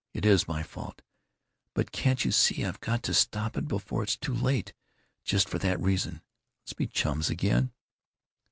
It is my fault. But can't you see I've got to stop it before it's too late, just for that reason? Let's be chums again."